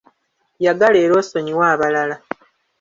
Yagala era osonyiwe abalala.